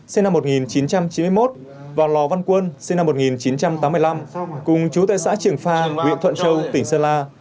sinh năm một nghìn chín trăm chín mươi một và lò văn quân sinh năm một nghìn chín trăm tám mươi năm cùng chú tại xã trường pha huyện thuận châu tỉnh sơn la